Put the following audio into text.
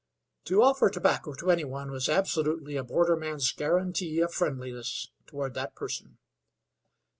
To offer tobacco to anyone was absolutely a borderman's guarantee of friendliness toward that person.